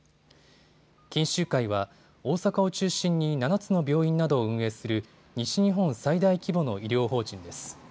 錦秀会は大阪を中心に７つの病院などを運営する西日本最大規模の医療法人です。